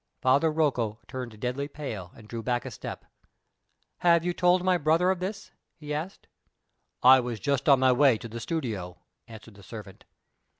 Father Rocco turned deadly pale, and drew back a step. "Have you told my brother of this?" he asked. "I was just on my way to the studio," answered the servant.